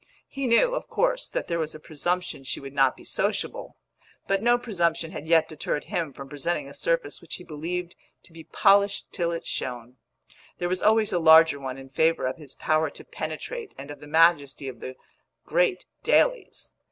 He knew, of course, that there was a presumption she would not be sociable, but no presumption had yet deterred him from presenting a surface which he believed to be polished till it shone; there was always a larger one in favour of his power to penetrate and of the majesty of the "great dailies."